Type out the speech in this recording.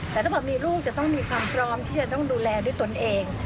แต่ถ้าพอมีลูกจะต้องมีความพร้อมที่จะต้องดูแลด้วยตนเอง